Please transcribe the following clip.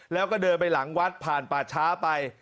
แล้วก็เดินไปหลังวัดผ่านป่าช้าไป